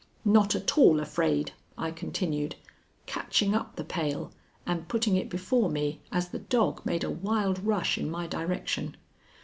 "Not at all afraid," I continued, catching up the pail and putting it before me as the dog made a wild rush in my direction.